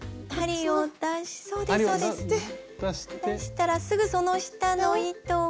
出したらすぐその下の糸を。